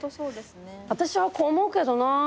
私はこう思うけどな。